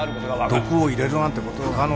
毒を入れるなんて不可能